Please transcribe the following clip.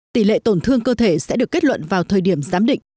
tỷ lệ tổn thương cơ thể sẽ được kết luận vào thời điểm giám định